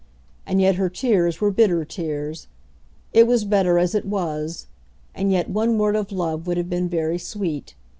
And yet her tears were bitter tears. It was better as it was; and yet one word of love would have been very sweet.